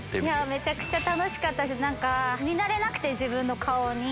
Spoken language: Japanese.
めちゃくちゃ楽しかったし見慣れなくて自分の顔に。